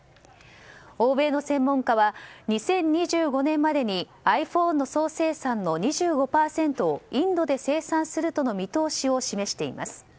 欧米の専門家は２０２５年までにｉＰｈｏｎｅの総生産の２５％をインドで生産するとの見通しを示しています。